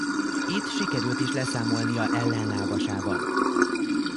Itt sikerült is leszámolnia ellenlábasával.